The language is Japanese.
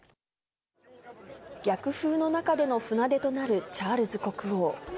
逆風の中での船出となるチャールズ国王。